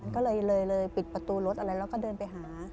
ก็เลยปิดประตูรถอะไรเราก็เดินไปหา